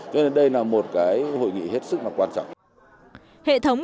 cho nên đây là một hội nghị hết sức quan trọng